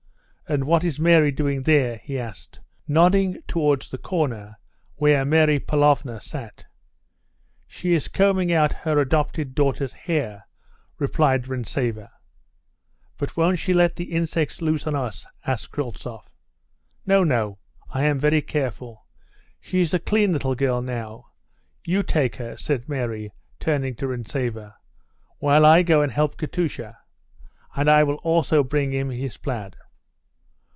And what is Mary doing there?" he asked, nodding towards the corner where Mary Pavlovna sat. "She is combing out her adopted daughter's hair," replied Rintzeva. "But won't she let the insects loose on us?" asked Kryltzoff. "No, no; I am very careful. She is a clean little girl now. You take her," said Mary, turning to Rintzeva, "while I go and help Katusha, and I will also bring him his plaid."